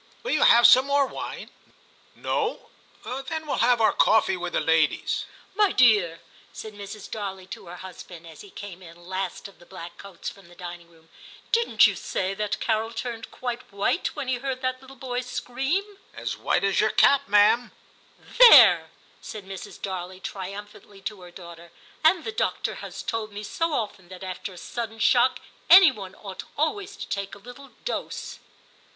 Will you have some more wine ? No } Then we'll have our coffee with the ladies.* * My dear,* said Mrs. Darley to her 32 TIM CHAP. husband, as he came in last of the black coats from the dining room, 'didn't you say that Carol turned quite white when he heard that little boy scream ?'* As white as your cap, ma'am.' * There,' said Mrs. Darley triumphantly to her daughter, *and the doctor has told me so often that after a sudden shock any one ought always to take a little dose.'